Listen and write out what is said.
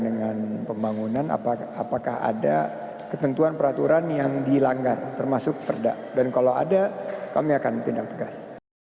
dengan pembangunan apakah ada ketentuan peraturan yang dilanggar termasuk perda dan kalau ada kami akan tindak tegas